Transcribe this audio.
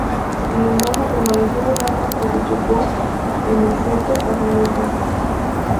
Sin embargo, permaneció volando hasta que chocó en el seto al final del campo.